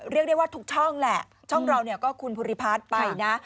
เรียกได้ว่าทุกช่องช่องเราก็คุณพุริพาธิ์ไปนะ